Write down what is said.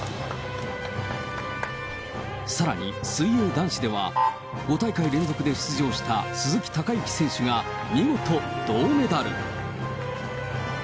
さらに、水泳男子では、５大会連続で出場した鈴木孝幸選手が見事、銅メダル。